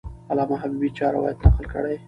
علامه حبیبي چا روایت نقل کړی؟